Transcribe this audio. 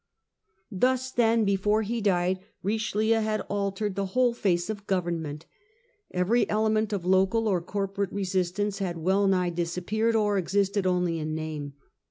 Thus, then, before he died, Richelieu had altered the whole face of government. Every element of local or Summary of cor P orate resistance had well nigh disappeared, Richelieu's or existed only in name.